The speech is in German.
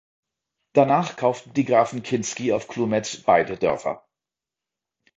Danach kauften die Grafen Kinsky auf Chlumetz beide Dörfer.